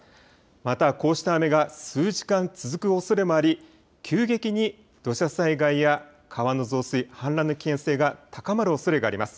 またこうした雨が数時間続くおそれもあり急激に土砂災害や川の増水、氾濫の危険性が高まるおそれがあります。